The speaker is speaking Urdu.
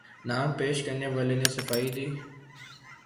نام پیش کرنے والے نے صفائی دی